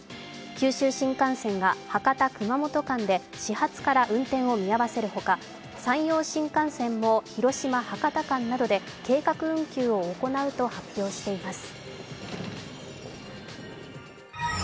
九州新幹線が博多−熊本間で始発から運転を見合わせるほか、山陽新幹線も、広島ー博多間などで計画運休を行うと発表しています。